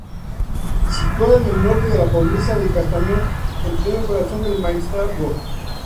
Situada en el norte de la provincia de Castellón, en pleno corazón del Maestrazgo.